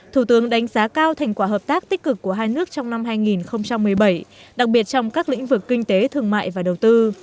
thủ tướng đánh giá cao thành quả hợp tác tích cực của hai nước trong năm hai nghìn một mươi bảy đặc biệt trong các lĩnh vực kinh tế thương mại và đầu tư